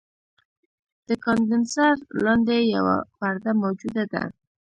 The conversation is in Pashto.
د کاندنسر لاندې یوه پرده موجوده ده.